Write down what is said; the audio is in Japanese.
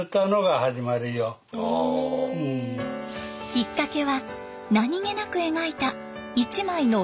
きっかけは何気なく描いた一枚のへびの絵。